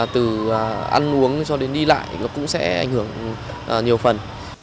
từ ăn uống cho đến đi lại cũng sẽ ảnh hưởng nhiều phần